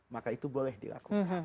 maka itu boleh dilakukan